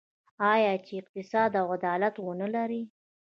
آیا چې اقتصاد او عدالت ونلري؟